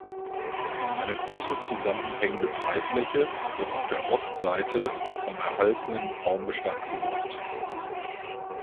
Eine große zusammenhängende Freifläche wird auf der Ostseite vom erhaltenen Baumbestand gesäumt.